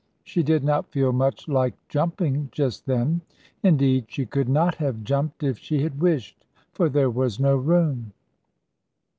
She did not feel much like jumping just then indeed she could not have jumped if she had wished, for there was no room.